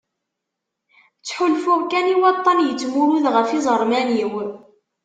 Ttḥulfuɣ kan i waṭṭan yettmurud ɣef yiẓerman-iw.